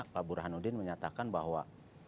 pak burhanuddin menyatakan bahwa